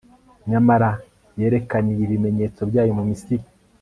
nyamara yerekaniye ibimenyetso byayo mu misiri